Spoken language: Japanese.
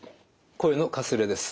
声のかすれです。